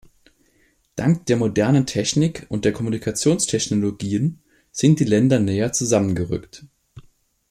Dank der modernen Technik und der Kommunikationstechnologien sind die Länder näher zusammengerückt.